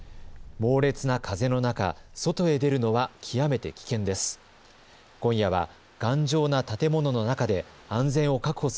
猛烈な風の中、外へ出るのは極めて危険です。